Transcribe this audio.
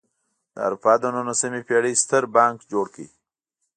د اروپا د نولسمې پېړۍ ستر بانک جوړ کړ.